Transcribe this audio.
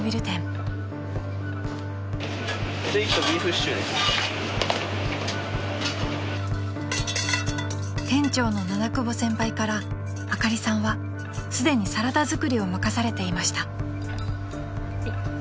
［店長の七久保先輩からあかりさんはすでにサラダ作りを任されていました］